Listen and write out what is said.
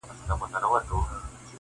چي سیالي وي د قلم خو نه د تورو,